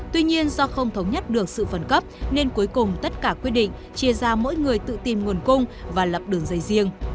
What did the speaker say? tuy nhiên do không thống nhất được sự phần cấp nên cuối cùng tất cả quyết định chia ra mỗi người tự tìm nguồn cung và lập đường dây riêng